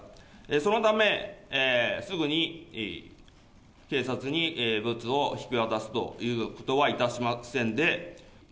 そのため、すぐに警察にブツを引き渡すということはいたしませんで。